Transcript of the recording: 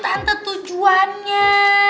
itu tante tujuannya